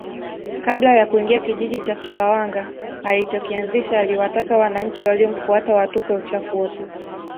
Kabla ya kuingia kijiji cha Sumbawanga alichokianzisha aliwataka wananchi waliomfuata watupe uchafu wote